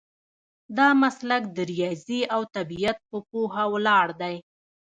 دا مسلک د ریاضي او طبیعت په پوهه ولاړ دی.